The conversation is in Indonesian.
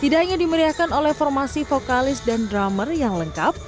tidak hanya dimeriahkan oleh formasi vokalis dan drummer yang lengkap